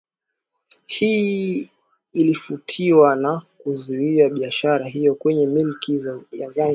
Hii ilifuatiwa na kuzuwia biashara hiyo kwenye milki ya Zanzibar